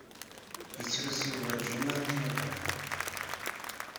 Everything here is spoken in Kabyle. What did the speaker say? Yettlus Yuba dima akken iqwem.